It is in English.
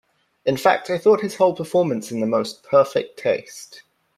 In fact, I thought his whole performance in the most perfect taste.